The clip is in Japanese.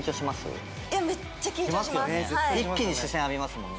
一気に視線浴びますもんね。